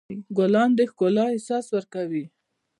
ګلان د ښکلا احساس ورکوي.